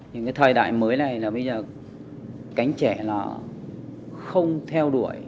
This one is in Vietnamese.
thì cái thời đại mới này là bây giờ cánh trẻ là không theo đuổi